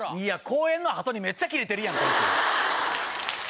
公園のハトにめっちゃキレてるやんこいつ。